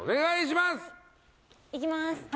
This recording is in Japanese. いきます。